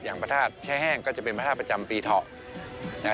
พระธาตุแช่แห้งก็จะเป็นพระธาตุประจำปีเถาะนะฮะ